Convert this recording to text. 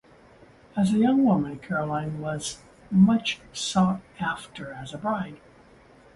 As a young woman, Caroline was much sought-after as a bride.